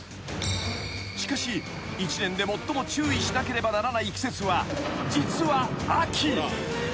［しかし一年で最も注意しなければならない季節は実は秋］